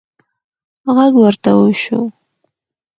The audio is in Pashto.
غږ ورته وشو: